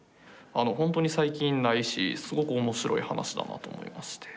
あのほんとに最近ないしすごく面白い話だなと思いまして。